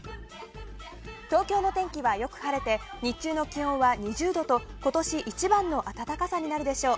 東京の天気はよく晴れて日中の気温は２０度と今年一番の暖かさになるでしょう。